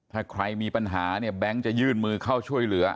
ถ้าใครมีปัญหาเนี่ยแบงค์จะยื่นมือเข้าช่วยเหลือ